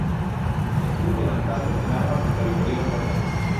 Estuvo levantado en armas contra Victoriano Huerta.